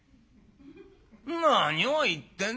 何を言ってんでい。